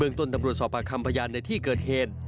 ต้นตำรวจสอบปากคำพยานในที่เกิดเหตุ